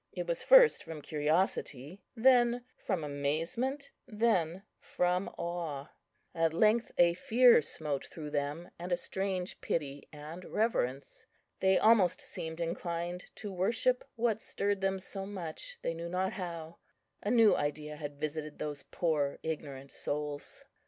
It was first from curiosity, then from amazement, then from awe. At length a fear smote through them, and a strange pity and reverence. They almost seemed inclined to worship what stirred them so much, they knew not how; a new idea had visited those poor ignorant souls.